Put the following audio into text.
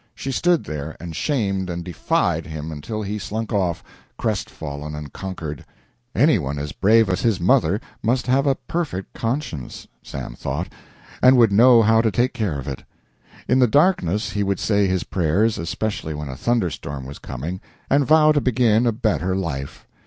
She stood there and shamed and defied him until he slunk off, crestfallen and conquered. Any one as brave as his mother must have a perfect conscience, Sam thought, and would know how to take care of it. In the darkness he would say his prayers, especially when a thunderstorm was coming, and vow to begin a better life.